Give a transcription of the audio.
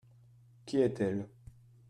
Qui est-elle ?